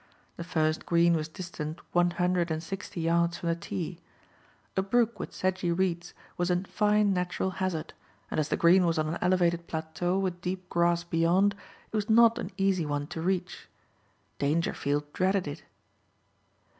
The first green was distant one hundred and sixty yards from the tee. A brook with sedgy reeds was a fine natural hazard, and as the green was on an elevated plateau with deep grass beyond, it was not an easy one to reach. Dangerfield dreaded it.